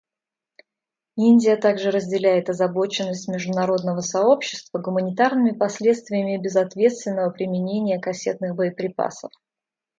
Индия также разделяет озабоченность международного сообщества гуманитарными последствиями безответственного применения кассетных боеприпасов.